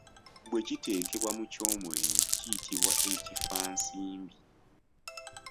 Bwe kiteekebwa mu ky’omulenzi kiyitibwa Ekifansimbi.